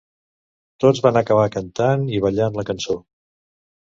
Tots van acabar cantant i ballant la cançó.